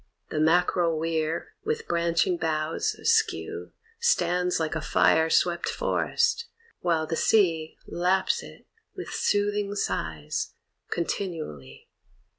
The mackerel weir, with branching boughs askew Stands like a fire swept forest, while the sea Laps it, with soothing sighs, continually.